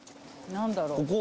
何だろう？